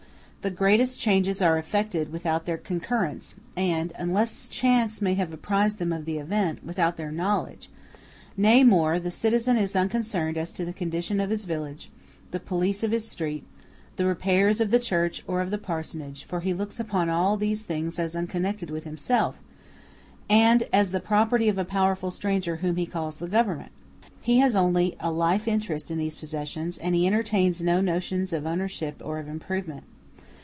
The greatest changes are effected without their concurrence and (unless chance may have apprised them of the event) without their knowledge; nay more, the citizen is unconcerned as to the condition of his village, the police of his street, the repairs of the church or of the parsonage; for he looks upon all these things as unconnected with himself, and as the property of a powerful stranger whom he calls the Government. He has only a life interest in these possessions, and he entertains no notions of ownership or of improvement.